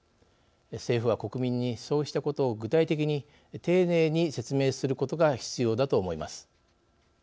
政府は国民にそうしたことを具体的に丁寧に説明することが必要だと思います。